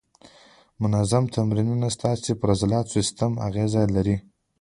منظم تمرینونه ستاسې پر عضلاتي سیستم اغېزه لري.